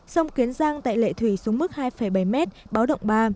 sông kiến giang tại lệ thủy xuống mức hai bảy m báo động ba